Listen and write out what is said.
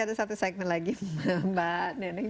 ada satu segmen lagi mbak neneng